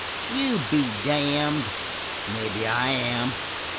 "You be damned!" "Maybe I am.